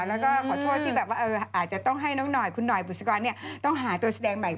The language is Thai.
แล้วก็ขอโทษที่แบบว่าอาจจะต้องให้น้องหน่อยคุณหน่อยบุษกรต้องหาตัวแสดงใหม่